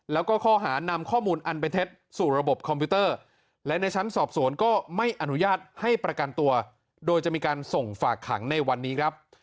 แล้วก็ข้อหานำข้อมูลอันเป็นเท็จสู่ระบบคอมพิวเตอร์และในชั้นสอบสวนก็ไม่อนุญาตให้ประกันตัวโดยจะมีการส่งฝากขังในวันนี้ครับ